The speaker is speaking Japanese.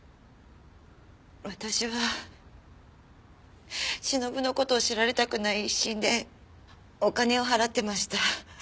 私はしのぶの事を知られたくない一心でお金を払ってました。